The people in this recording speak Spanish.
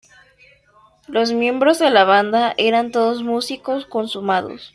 Los miembros de la banda eran todos músicos consumados.